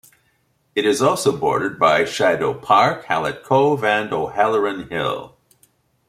It is also bordered by Sheidow Park, Hallett Cove and O'Halloran Hill.